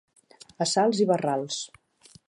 A salts i barrals.